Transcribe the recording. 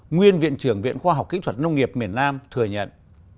nguyên viện trưởng viện khoa học kỹ thuật nông nghiệp miền nam thừa nhận